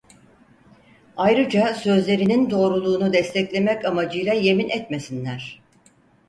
Ayrıca sözlerinin doğruluğunu desteklemek amacıyla yemin etmesinler.